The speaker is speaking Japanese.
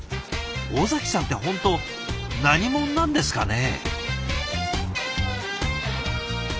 尾崎さんって本当何者なんですかね？